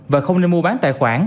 và không nên mua bán tài khoản